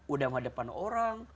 udah menghadapkan orang